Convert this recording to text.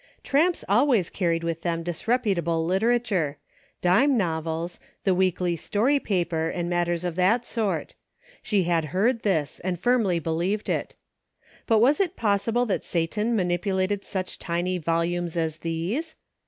Tramps always carried with them disreputable literature; dime novels, the "weekly story paper" and matters of that sort ; she had heard this, and firmly believed it ; but was it possible that Satan manipulated such tiny volumes as these